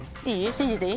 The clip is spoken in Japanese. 信じていい？